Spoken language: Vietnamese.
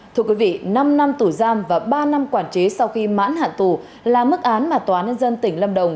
thưa quý vị năm năm tù giam và ba năm quản chế sau khi mãn hạn tù là mức án mà tòa nhân dân tỉnh lâm đồng